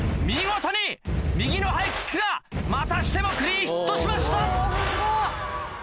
見事に右のハイキックがまたしてもクリーンヒットしました。